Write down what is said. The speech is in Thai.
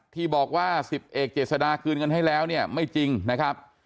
ที่บอกว่า๑๐เอกเจษดาคืนเงินให้แล้วเนี่ยไม่จริงนะครับ